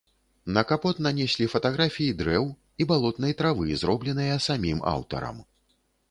На капот нанеслі фатаграфіі дрэў і балотнай травы, зробленыя самім аўтарам.